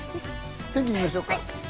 天気を見ましょうか。